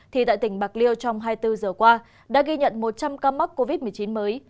thì tại tỉnh bạc liêu trong hai mươi bốn giờ qua đã ghi nhận một trăm linh ca mắc covid một mươi chín mới